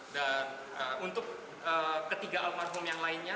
dan untuk ketiga almarhum yang lainnya